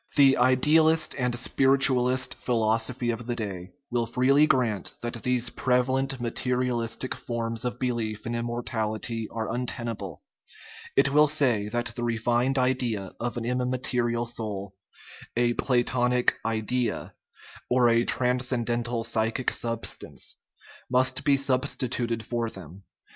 The idealist and spiritualist philosophy of the day will freely grant that these prevalent materialistic forms of belief in immortality are untenable; it will say that the refined idea of an immaterial soul, a Pla 209 THE RIDDLE OF THE UNIVERSE tonic " idea " or a transcendental psychic substance, must be substituted for them.